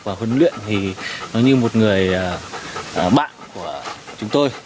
và huấn luyện thì nó như một người bạn của chúng tôi